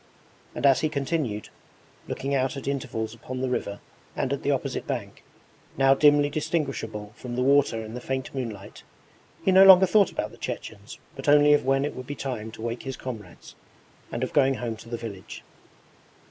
And as he continued looking out at intervals upon the river and at the opposite bank, now dimly distinguishable from the water in the faint moonlight, he no longer thought about the Chechens but only of when it would be time to wake his comrades, and of going home to the village.